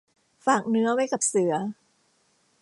ฝากเนื้อไว้กับเสือ